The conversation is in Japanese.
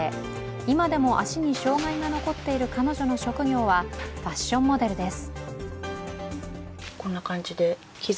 今でも足に障害が残っている彼女の職業はファッションモデルです。